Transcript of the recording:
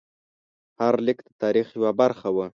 هر لیک د تاریخ یوه برخه وه.